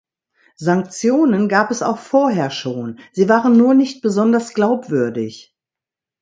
Sanktionen gab es auch vorher schon, sie waren nur nicht besonders glaubwürdig.